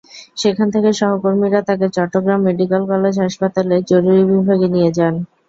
সেখান থেকে সহকর্মীরা তাঁকে চট্টগ্রাম মেডিকেল কলেজ হাসপাতালের জরুরি বিভাগে নিয়ে যান।